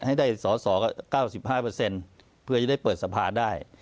ให้ได้สอสอเก้าสิบห้าเปอร์เซ็นต์เพื่อจะได้เปิดสภาได้